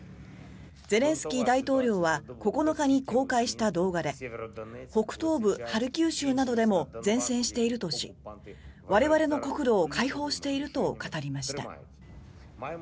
ゼレンスキー大統領は９日に公開した動画で北東部ハルキウ州などでも善戦しているとし我々の国土を解放していると語りました。